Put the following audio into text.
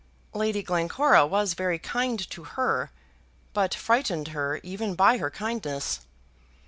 Lady Glencora was very kind to her, but frightened her even by her kindness.